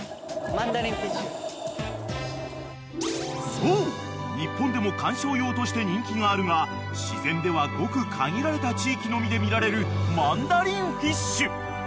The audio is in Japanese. ［そう日本でも観賞用として人気があるが自然ではごく限られた地域のみで見られるマンダリンフィッシュ］